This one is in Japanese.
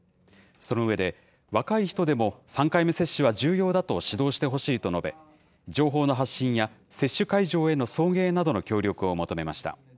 その上で、若い人でも３回目接種は重要だと指導してほしいと述べ、情報の発信や接種会場への送迎などの協力を求めました。